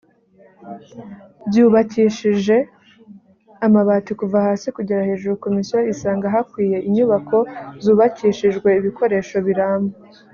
byubakishije amabati kuva hasi kugera hejuru komisiyo isanga hakwiye inyubako zubakishijwe ibikoresho biramba